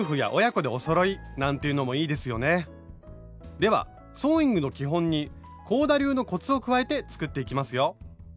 ではソーイングの基本に香田流のコツを加えて作っていきますよ！